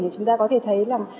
thì chúng ta có thể thấy là